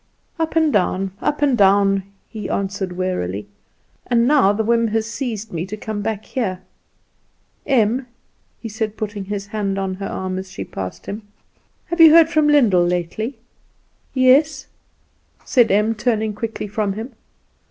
"Up and down, up and down," he answered wearily; "and now the whim has seized me to come back here. Em," he said, putting his hand on her arm as she passed him, "have you heard from Lyndall lately?" "Yes," said Em, turning quickly from him.